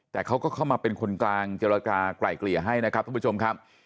แต่เขาก็เข้ามาเป็นคนกลางเจรจากลายเกลี่ยให้นะครับทุกผู้ชมครับ